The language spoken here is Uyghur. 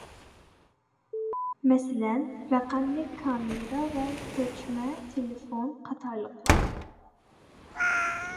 مەسىلەن، رەقەملىك كامېرا ۋە كۆچمە تېلېفون قاتارلىقلار.